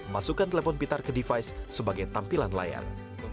masukkan telepon pintar ke device sebagai tampilan layar